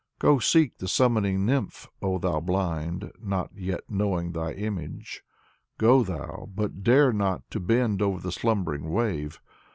Go, seek the summoning nymph, oh thou blind, not yet knowing thy image. Go thou, but dare not to bend over the slumbering wave.